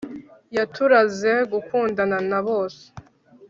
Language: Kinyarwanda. yaturaze gukundana na bose